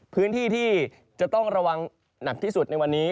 พื้นที่ที่จะต้องระวังหนักที่สุดในวันนี้